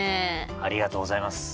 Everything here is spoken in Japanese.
ありがとうございます。